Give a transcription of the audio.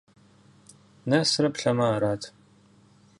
Нэсрэ плъэмэ - арат.